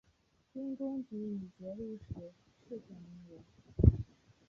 因功给予节度使世选名额。